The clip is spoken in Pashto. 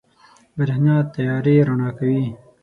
برېښنا تيارې رڼا کوي.